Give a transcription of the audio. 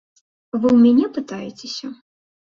Вы ў мяне пытаецеся?